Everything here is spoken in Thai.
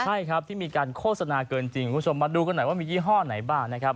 ใช่ครับที่มีการโฆษณาเกินจริงคุณผู้ชมมาดูกันหน่อยว่ามียี่ห้อไหนบ้างนะครับ